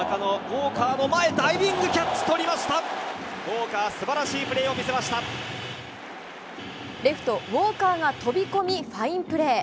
ウォーカー、すばらしいプレーをレフト、ウォーカーが飛び込み、ファインプレー。